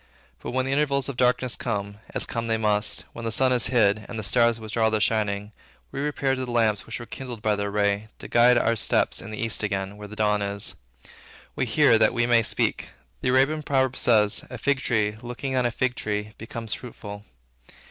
But when the intervals of darkness come, as come they must, when the sun is hid, and the stars withdraw their shining, we repair to the lamps which were kindled by their ray, to guide our steps to the East again, where the dawn is. We hear, that we may speak. The Arabian proverb says, "A fig tree, looking on a fig tree, becometh fruitful."